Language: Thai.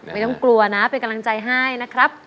ไม่ต้องกลัวนะเป็นกำลังใจให้นะครับ